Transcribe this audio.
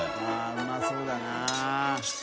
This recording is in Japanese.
うまそうだな。